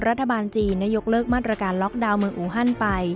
รัฐบาลจีนได้ยกเลิกมาตรการล็อกดาวน์เมืองอูฮันไป